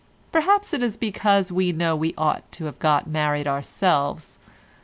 Perhaps it is because we know we ought to have got married ourselves.